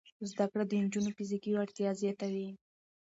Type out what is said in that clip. زده کړه د نجونو فزیکي وړتیا زیاتوي.